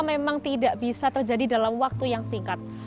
memang tidak bisa terjadi dalam waktu yang singkat